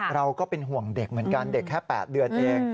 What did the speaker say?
เราก็เป็นห่วงเด็กเหมือนกันเด็กแค่๘เดือนเอง